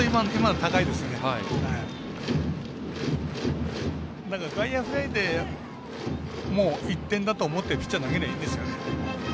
だから、外野フライでもう１点だと思ってピッチャー投げればいいんですよ。